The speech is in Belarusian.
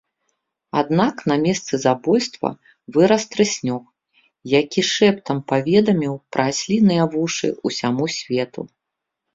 Аднак на месцы забойства вырас трыснёг, які шэптам паведаміў пра асліныя вушы ўсяму свету.